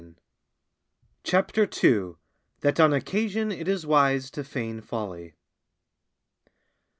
CHAPTER II.—_That on occasion it is wise to feign Folly.